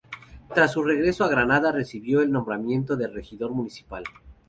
Tras su regreso a Granada recibió el nombramiento de Regidor Municipal.